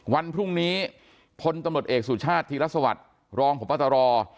วันพรุ่งนี้พตำรวจเอกสุชาติธิรัฐสวรรค์รองพตร